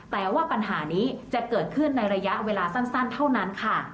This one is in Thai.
แต่ว่าปัญหานี้จะเกิดขึ้นในระยะเวลาสั้นเท่านั้นค่ะ